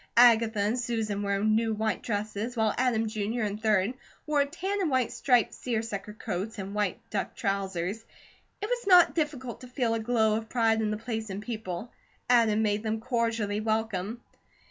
Agatha and Susan were in new white dresses, while Adam Jr. and 3d wore tan and white striped seersucker coats, and white duck trousers. It was not difficult to feel a glow of pride in the place and people. Adam made them cordially welcome.